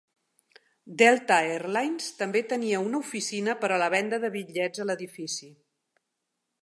Delta Air Lines també tenia una oficina per a la venda de bitllets a l'edifici.